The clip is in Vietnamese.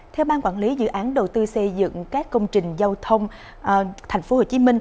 theo ban quản lý dự án đầu tư xây dựng các công trình giao thông tp hcm